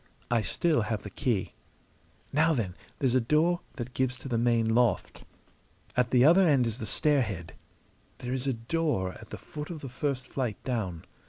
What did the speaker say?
I still have the key. Now, then, there's a door that gives to the main loft. At the other end is the stairhead. There is a door at the foot of the first flight down.